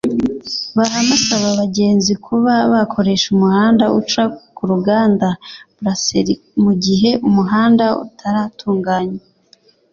Bahame asaba abagenzi kuba bakoresha umuhanda uca ku ruganda (Brasserie) mu gihe umuhanda utaratunganywa